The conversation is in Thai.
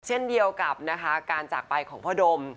เช่นเดียวกับนะคะการจากไปของพ่อดม